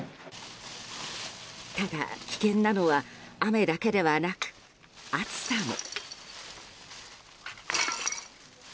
ただ、危険なのは雨だけではなく暑さも。